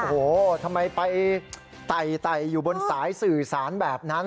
โอ้โหทำไมไปไต่อยู่บนสายสื่อสารแบบนั้น